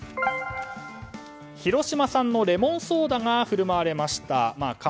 広島産のレモンソーダが振る舞われました。